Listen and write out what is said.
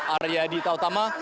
arya adi tautama